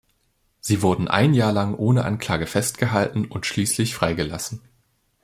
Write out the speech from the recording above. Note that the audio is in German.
Sie wurden ein Jahr lang ohne Anklage festgehalten und schließlich freigelassen.